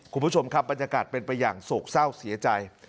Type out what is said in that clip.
คุณผู้ชมครับบรรยากาศเป็นไปอย่างโศกเศร้าเสียใจ